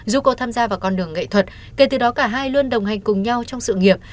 du cô tham gia vào con đường nghệ thuật kể từ đó cả hai luôn đồng hành cùng nhau trong sự nghiệp